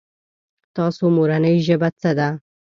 تاسو مورنۍ ژبه څه ده ؟